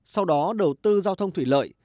sau đó đầu tư giao thông thủy lợi